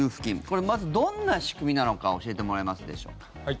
これ、まずどんな仕組みなのか教えてもらえますでしょうか。